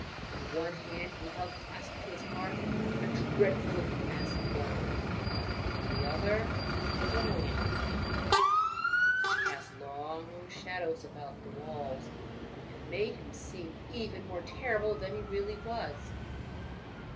In one hand he held clasped to his heart a dreadful looking mass of bones, in the other was a lamp which cast long shadows about the walls, and made him seem even more terrible than he really was.